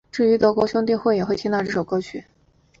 至于德国兄弟会也会听到这首歌曲。